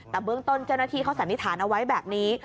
แต่เบื้องต้นเจ้าหน้าที่เขาสันนิษฐานเอาไว้แบบนี้